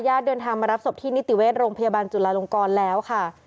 เดินทางมารับศพที่นิติเวชโรงพยาบาลจุลาลงกรแล้วค่ะ